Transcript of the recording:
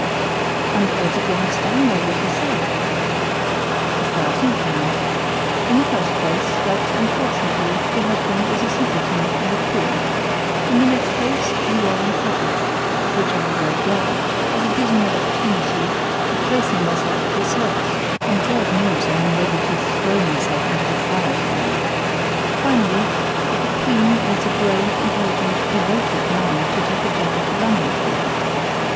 "And what did you understand by what we said?" "A thousand things. In the first place, that, unfortunately, your husband is a simpleton and a fool; in the next place, you are in trouble, of which I am very glad, as it gives me an opportunity of placing myself at your service, and God knows I am ready to throw myself into the fire for you; finally, that the queen wants a brave, intelligent, devoted man to make a journey to London for her.